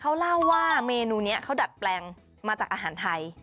เขาเล่าว่าเมนูนี้เขาดัดแปลงมาจากอาหารไทย